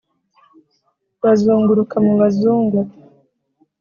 bazunguruka mu bazungu